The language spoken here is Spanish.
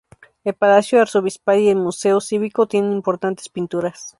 El Palacio Arzobispal y el Museo Cívico tienen importantes pinturas.